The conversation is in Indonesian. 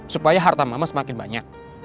supaya harta mama semakin banyak